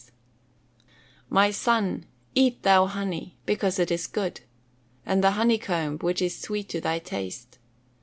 [Verse: "My son, eat thou honey, because it is good; and the honey comb, which is sweet to thy taste."